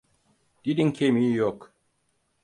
Dilin kemiği yok.